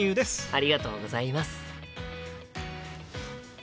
ありがとうございます。